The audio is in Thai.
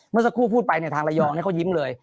เมื่อสักครู่พูดไปเนี่ยทางระยองเขายิ้มเลย